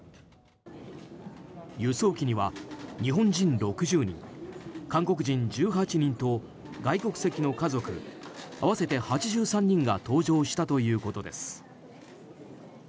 輸送機には日本人６０人韓国人１８人と外国籍の家族、合わせて８３人が搭乗したということです。